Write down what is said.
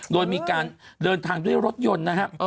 โดยมีการเดินทางด้วยรถยนต์นะครับ